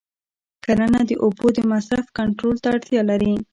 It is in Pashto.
کرنه د اوبو د مصرف کنټرول ته اړتیا لري.